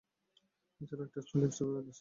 এছাড়াও এটি অস্ট্রেলিয়ার সর্ববৃহৎ স্টেডিয়াম।